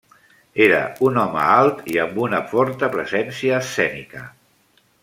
Era un home alt i amb una forta presència escènica.